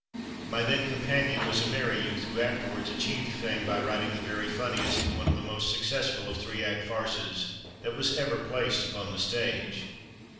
My then companion was a merry youth who afterwards achieved fame by writing the very funniest and one of the most successful of three act farces that was ever placed upon the stage.